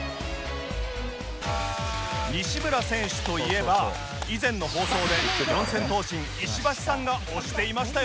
西村選手といえば以前の放送で四千頭身石橋さんが推していましたよね